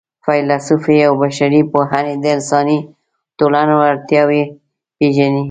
فېلسوفي او بشري پوهنې د انساني ټولنو اړتیاوې پېژني.